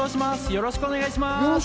よろしくお願いします。